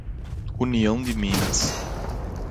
União de Minas